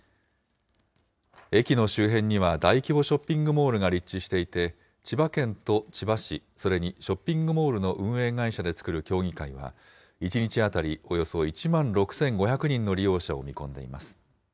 駅の周辺には大規模ショッピングモールが立地していて、千葉県と千葉市、それにショッピングモールの運営会社で作る協議会は、１日当たりおよそ１万６５００人の利用者を見込んでいます。